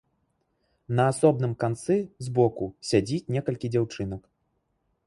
На асобным канцы, збоку, сядзіць некалькі дзяўчынак.